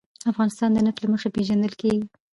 افغانستان د نفت له مخې پېژندل کېږي.